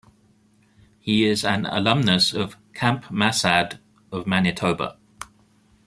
He is an alumnus of Camp Massad of Manitoba.